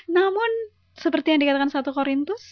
namun seperti yang dikatakan satu korintus